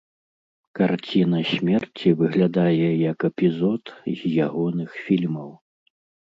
Карціна смерці выглядае як эпізод з ягоных фільмаў.